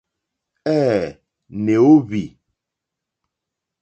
Ɛ̄ɛ̄, nè óhwì.